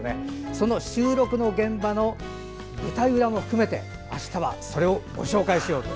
その収録の現場の舞台裏も含めてあしたはご紹介しようと。